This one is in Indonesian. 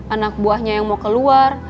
anak buahnya yang mau keluar